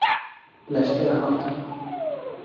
Leşker hatin.